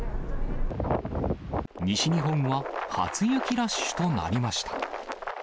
西日本は初雪ラッシュとなりました。